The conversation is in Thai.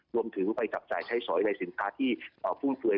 รวมถึงไปจับจ่ายใช้สอยในสินค้าที่ฟุ่มเฟือย